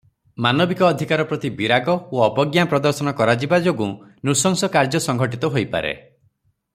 ମାନବିକ ଅଧିକାର ପ୍ରତି ବିରାଗ ଓ ଅବଜ୍ଞା ପ୍ରଦର୍ଶନ କରାଯିବା ଯୋଗୁଁ ନୃଶଂସ କାର୍ଯ୍ୟ ସଂଘଟିତ ହୋଇପାରେ ।